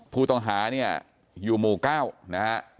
ผู้ต่อหาเนี่ยอยู่หมู่ก้าวนะครับ